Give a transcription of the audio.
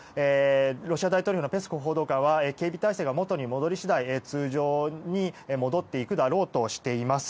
ロシア大統領府のペスコフ報道官は警備体制が元に戻り次第通常に戻っていくだろうとしています。